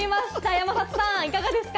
山里さん、いかがですか？